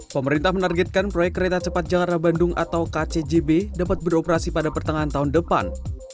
pemerintah menargetkan proyek kereta cepat jakarta bandung atau kcjb dapat beroperasi pada pertengahan tahun depan